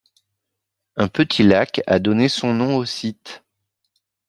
Un petit lac a donné son nom au site.